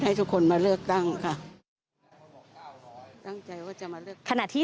ให้ทุกคนมาเลือกตั้งค่ะตั้งใจว่าจะมาเลือกขณะที่